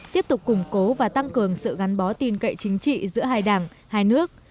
tiếp tục củng cố và tăng cường sự gắn bó tin cậy chính trị giữa hai đảng hai nước